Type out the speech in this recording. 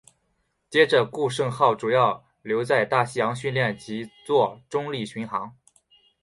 接着顾盛号主要留在大西洋训练及作中立巡航。